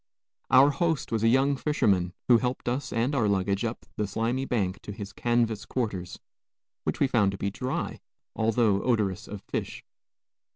Our host was a young fisherman, who helped us and our luggage up the slimy bank to his canvas quarters, which we found to be dry, although odorous of fish.